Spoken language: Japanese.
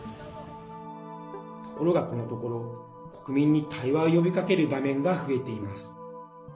ところが、このところ国民に対話を呼びかける場面が増えています。